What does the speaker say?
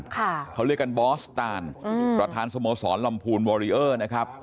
เขาเรียกกันบอสตานอืมประธานสโมสรลำพูนวอริเออร์นะครับ